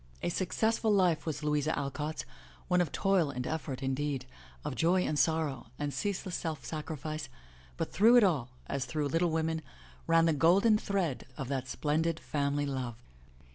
A successful life was Louisa Alcott's, one of toil and effort, indeed, of joy and sorrow, and ceaseless self sacrifice, but through it all, as through Little Women ran the golden thread of that splendid family love.